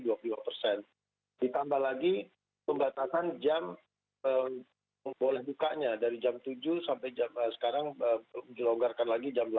ditambah lagi pembatasan jam boleh bukanya dari jam tujuh sampai sekarang dilonggarkan lagi jam dua belas